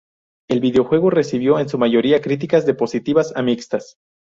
El videojuego recibió en su mayoría críticas de positivas a mixtas.